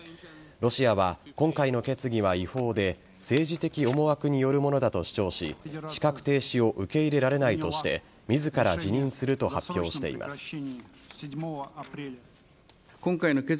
ロシアは、今回の決議は違法で政治的思惑によるものだと主張し資格停止を受け入れられないとして自ら辞任すると発表しています。